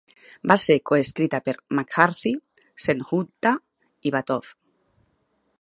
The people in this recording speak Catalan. Va ser coescrita per McCarthy, Sen-Gupta i Vatoff.